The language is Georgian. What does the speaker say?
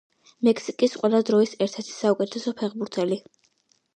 მექსიკის ყველა დროის ერთ-ერთი საუკეთესო ფეხბურთელი.